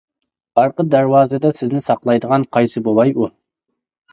ئارقا دەرۋازىدا سىزنى ساقلايدىغان قايسى بوۋاي ئۇ ؟!